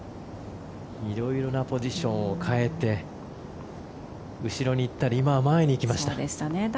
色々なポジションを変えて後ろに行ったり今は前に行きました。